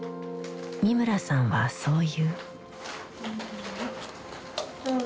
三村さんはそう言う。